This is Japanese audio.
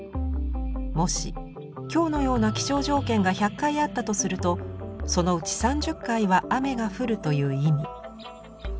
もし今日のような気象条件が１００回あったとするとそのうち３０回は雨が降るという意味。